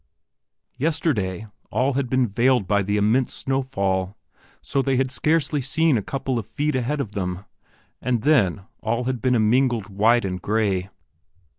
Yesterday, all had been veiled by the immense snowfall, so they had scarcely seen a couple of feet ahead of them, and then all had been a mingled white and gray.